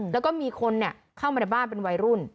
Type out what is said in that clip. แล้วก็มีคนเข้ามาในบ้านเป็นวัยรุ่น